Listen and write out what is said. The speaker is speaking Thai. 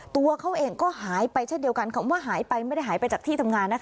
ตัวเขาเองก็หายไปเช่นเดียวกันคำว่าหายไปไม่ได้หายไปจากที่ทำงานนะคะ